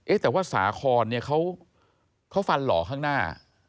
แต่ว่าสาครเนี่ยเขาฟันหล่อข้างหน้า